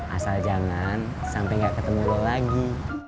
asal jangan sampai gak ketemu lu lagi